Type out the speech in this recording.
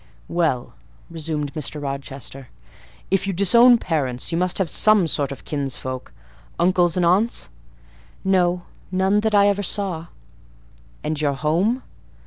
"Well," resumed Mr. Rochester, "if you disown parents, you must have some sort of kinsfolk: uncles and aunts?" "No; none that I ever saw." "And your home?"